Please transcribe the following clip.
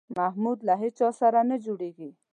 محمود له هېچا سره نه جوړېږي.